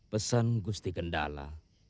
pesan gusti gendala